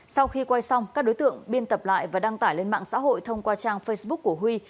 sau khi quay xong các đối tượng biên tập lại và đăng tải lên mạng xã hội thông qua trang facebook của huy